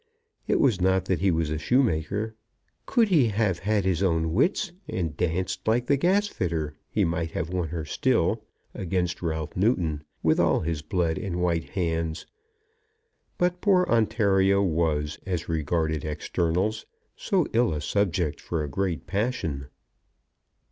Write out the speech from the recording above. It was not that he was a shoemaker. Could he have had his own wits, and danced like the gasfitter, he might have won her still, against Ralph Newton, with all his blood and white hands. But poor Ontario was, as regarded externals, so ill a subject for a great passion!